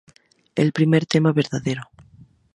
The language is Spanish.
El primer tema verdadero.